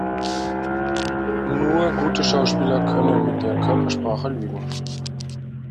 Nur gute Schauspieler können mit der Körpersprache lügen.